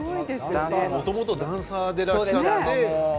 もともとダンサーでいらっしゃるんですよね。